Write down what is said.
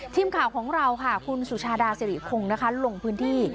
ทีมข่าวของเราค่ะคุณสุชาดาสิริคงนะคะลงพื้นที่